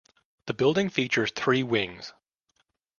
The building features three wings.